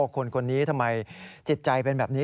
คนนี้ทำไมจิตใจเป็นแบบนี้